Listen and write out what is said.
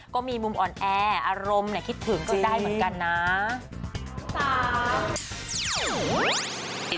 ก็มีมุมอ่อนแออารมณ์คิดถึงก็ได้เหมือนกันนะ